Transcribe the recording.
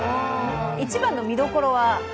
一番の見どころは？